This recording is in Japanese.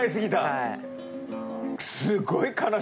はい。